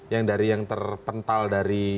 yang dari yang terpental dari